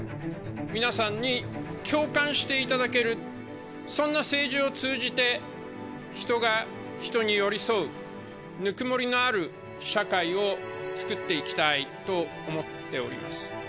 皆さんに共感していただける、そんな政治を通じて、人が人に寄り添う、ぬくもりのある社会をつくっていきたいと思っております。